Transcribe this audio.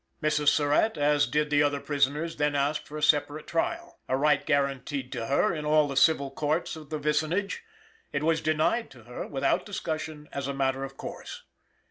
Mrs. Surratt (as did the other prisoners) then asked for a separate trial; a right guaranteed to her in all the civil courts of the vicinage. It was denied to her, without discussion, as a matter of course.